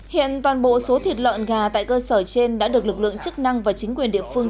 hiện toàn bộ số thịt lợn gà tại cơ sở trên đã được lực lượng chức năng và chính quyền địa phương